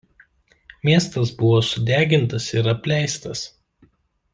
Miestas buvo sudegintas ir apleistas.